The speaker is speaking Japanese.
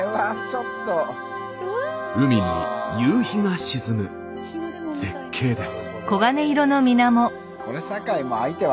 海に夕日が沈む絶景です。